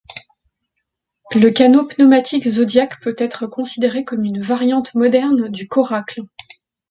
Le canot pneumatique zodiac peut être considéré comme une variante moderne du coracle.